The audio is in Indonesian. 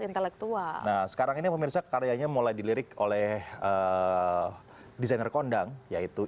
intelektual nah sekarang ini pemirsa karyanya mulai dilirik oleh desainer kondang yaitu